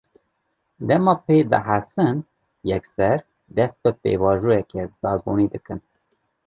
Dema pê dihesin, yekser dest bi pêvajoyeke zagonî dikin